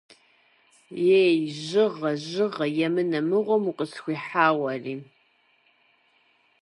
Ей, Жьыгъэ, Жьыгъэ! Емынэ мыгъуэм укъысхуихьа уэри!